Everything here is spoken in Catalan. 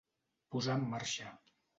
Posar en marxa.